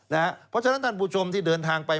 เพราะฉะนั้นท่านผู้ชมที่เดินทางไป